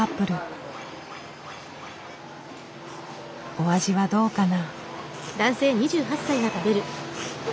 お味はどうかな？